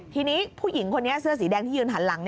ทีนี้ผู้หญิงคนนี้เสื้อสีแดงที่ยืนหันหลัง